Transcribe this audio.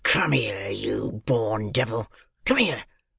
"Come here, you born devil! Come here!